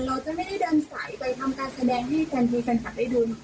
เราจะไม่ได้เดินสายไปทำการแสดงให้ทันทีแฟนคลับได้ดู